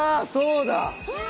そうだ！